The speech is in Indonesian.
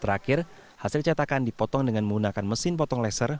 terakhir hasil cetakan dipotong dengan menggunakan mesin potong laser